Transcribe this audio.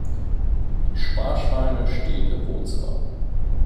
Die Sparschweine stehen im Wohnzimmer.